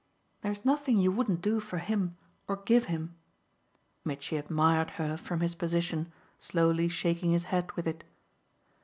"There's nothing you wouldn't do for him or give him." Mitchy admired her from his position, slowly shaking his head with it.